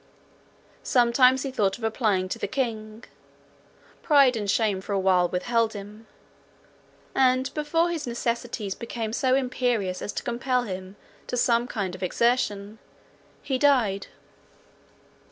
Sometimes he thought of applying to the king; pride and shame for a while withheld him; and, before his necessities became so imperious as to compel him to some kind of exertion, he died.